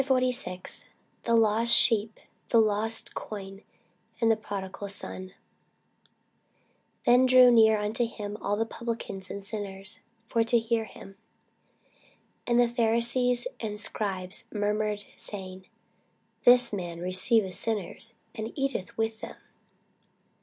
CHAPTER 46 THE LOST SHEEP, THE LOST COIN, AND THE PRODIGAL SON [Sidenote: St. Luke 15] THEN drew near unto him all the publicans and sinners for to hear him. And the Pharisees and scribes murmured, saying, This man receiveth sinners, and eateth with them.